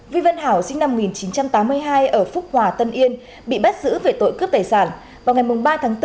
vi văn hảo sinh năm một nghìn chín trăm tám mươi hai ở phúc hòa tân yên bị bắt giữ về tội cướp tài sản vào ngày ba tháng bốn